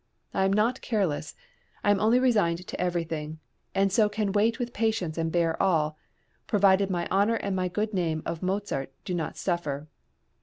I am not careless, I am only resigned to everything, and so can wait with patience and bear all, provided my honour and my good name of Mozart do not suffer.